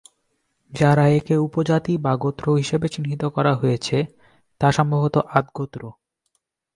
যারা একে উপজাতি বা গোত্র হিসাবে চিহ্নিত করা হয়েছে, তা সম্ভবত আদ গোত্র।